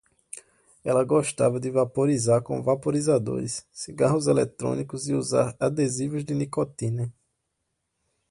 Ela gostava de vaporizar com vaporizadores, cigarros eletrônicos e usar adesivos de nicotina